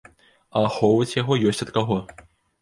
А ахоўваць яго ёсць ад каго.